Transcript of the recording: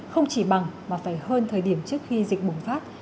không chỉ bằng mà phải hơn thời điểm trước khi dịch bùng phát